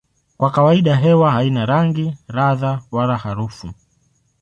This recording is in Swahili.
Kwa kawaida hewa haina rangi, ladha wala harufu.